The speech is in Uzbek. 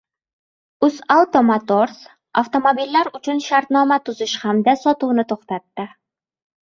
UzAuto Motors avtomobillar uchun shartnoma tuzish hamda sotuvni to‘xtatdi